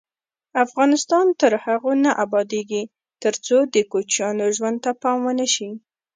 افغانستان تر هغو نه ابادیږي، ترڅو د کوچیانو ژوند ته پام ونشي.